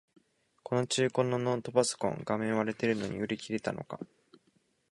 この中古のノートパソコン、画面割れてるのに売り切れたのか